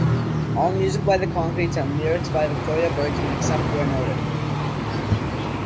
All music by The Concretes and lyrics by Victoria Bergsman, except where noted.